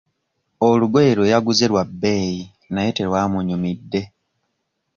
Olugoye lwe yaguze lwa bbeeyi naye terwamunyumidde.